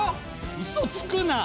うそつくな！